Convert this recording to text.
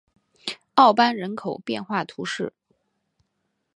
奥班人口变化图示